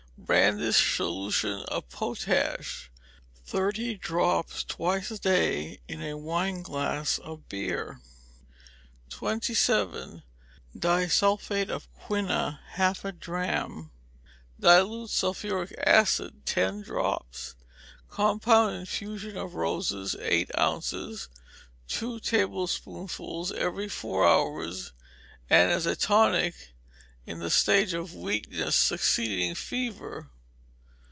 Brandish's solution of potash; thirty drops twice a day in a wineglass of beer. 27. Disulphate of quina, half a drachm; dilute sulphuric acid, ten drops; compound infusion of roses, eight ounces: two tablespoonfuls every four hours, and as a tonic in the stage of weakness succeeding fever.